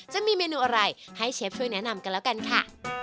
จะมีเมนูอะไรให้เชฟช่วยแนะนำกันแล้วกันค่ะ